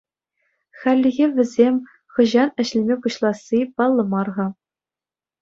Хальлӗхе вӗсем хӑҫан ӗҫлеме пуҫласси паллӑ мар-ха.